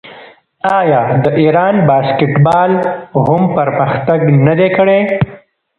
آیا د ایران باسکیټبال هم پرمختګ نه دی کړی؟